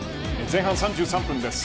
前半３３分です。